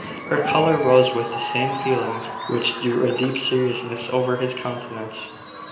Her colour rose with the same feelings which drew a deep seriousness over his countenance.